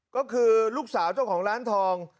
ก็คือลูกสาวเจ้าของร้านทอง